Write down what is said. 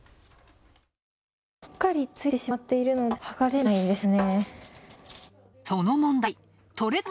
しっかりついてしまっているので剥がれないですね。